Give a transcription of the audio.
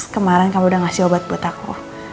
kemarin kamu udah ngasih obat buat aku